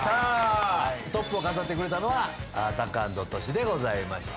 トップを飾ってくれたのはタカアンドトシでございました。